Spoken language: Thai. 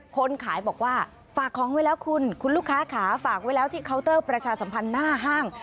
คนขายบอกว่าฝากของไว้แล้วคุณคุณลูกค้าขาฝากไว้แล้วที่เคาน์เตอร์ประชาสัมพันธ์หน้าห้าง